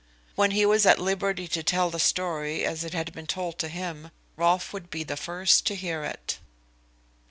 When he was at liberty to tell the story as it had been told to him, Rolfe would be the first to hear it.